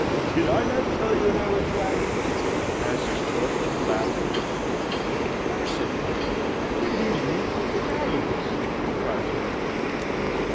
Did I not tell you there were dragons?" asks George, laughing. "Mercy! What can he mean by dragons?" cries Hetty.